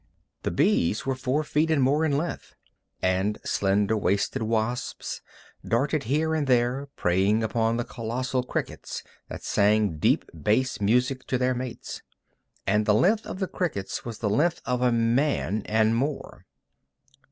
The bees were four feet and more in length. And slender waisted wasps darted here and there, preying upon the colossal crickets that sang deep bass music to their mates and the length of the crickets was the length of a man, and more.